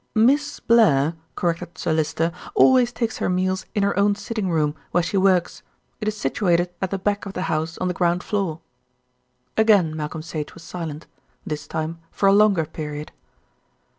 "Miss Blair," corrected Sir Lyster, "always takes her meals in her own sitting room, where she works. It is situated at the back of the house on the ground floor." Again Malcolm Sage was silent, this time for a longer period.